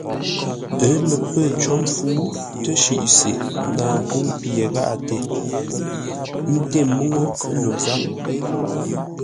Ə́ lə pə́ cǒ mpfu, təshʉʼ se naa nkə́u pye gháʼate, ńté múŋú no záp.